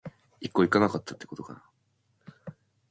However, his mother has been supportive of his golf from the start.